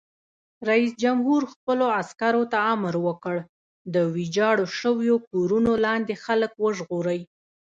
رئیس جمهور خپلو عسکرو ته امر وکړ؛ د ویجاړو شویو کورونو لاندې خلک وژغورئ!